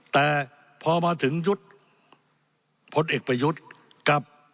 แต่พอมาถึงยุทธ์พลเอกประยุทธ์กับ